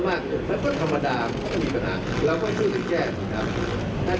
มันก็ธรรมดาข้อมูลทุกข์เราก็ต้องสู้ดักถูกครับ